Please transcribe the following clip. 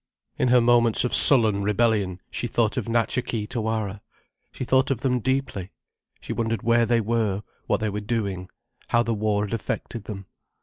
In her moments of sullen rebellion she thought of Natcha Kee Tawara. She thought of them deeply. She wondered where they were, what they were doing, how the war had affected them.